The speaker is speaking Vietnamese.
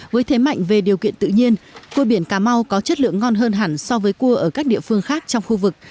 với thế mạnh về điều kiện tự nhiên cua biển cà mau có chất lượng ngon hơn hẳn so với cua ở các địa phương khác trong khu vực